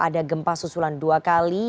ada gempa susulan dua kali